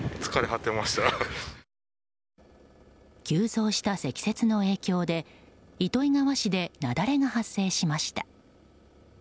急増した積雪の影響で糸魚川市で雪崩が発生しました。